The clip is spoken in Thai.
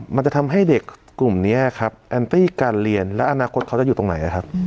มันจะทำให้เด็กกลุ่มนี้ครับแอนตี้การเรียนและอนาคตเขาจะอยู่ตรงไหนครับ